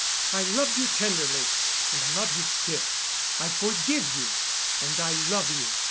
I loved you tenderly and I love you still. I forgive you and I love you.